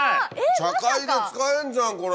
茶会で使えんじゃんこれ。